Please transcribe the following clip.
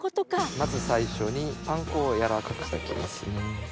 まず最初にパン粉を軟らかくしときますね。